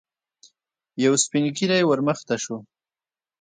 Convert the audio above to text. يو سپين ږيری ور مخته شو.